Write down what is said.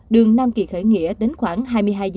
đường nam kỳ khởi nghĩa đến khoảng hai mươi hai h